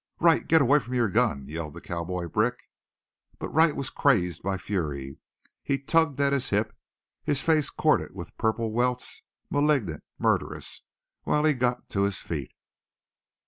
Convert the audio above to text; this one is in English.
"Wright, get away from your gun!" yelled the cowboy Brick. But Wright was crazed by fury. He tugged at his hip, his face corded with purple welts, malignant, murderous, while he got to his feet.